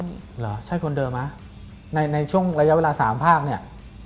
เหรอใช่คนเดิมไหมในช่วงระยะเวลา๓ภาคเนี่ย